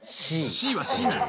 ＣはＣなの？